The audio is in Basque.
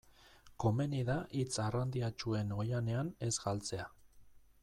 Komeni da hitz arrandiatsuen oihanean ez galtzea.